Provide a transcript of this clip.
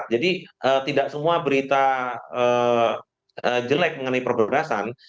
jadi tidak semua berita jelek mengenai perbebasan